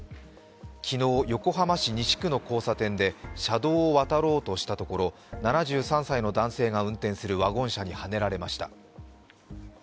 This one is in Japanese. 昨日、横浜市西区の交差点で車道を渡ろうとしたところ７３歳の男性が運転するワゴン車にはねられました。